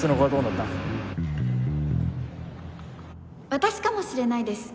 私かもしれないです